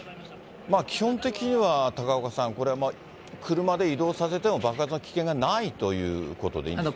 基本的には、高岡さん、これ、車で移動させても爆発の危険がないということでいいんですね。